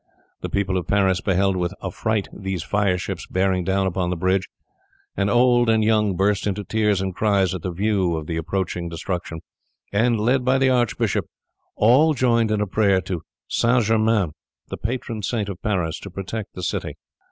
The people of Paris beheld with afright these fire ships bearing down upon the bridge, and old and young burst into tears and cries at the view of the approaching destruction, and, led by the archbishop, all joined in a prayer to St. Germain, the patron saint of Paris, to protect the city.